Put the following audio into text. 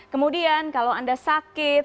kemudian kalau anda sakit